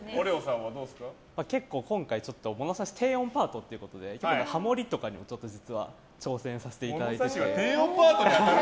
結構、今回ものさし低音パートということでハモリとかに挑戦させていただいて。